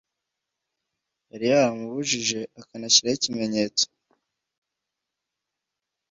Yari yaramubujije akanashyiraho ikimenyetso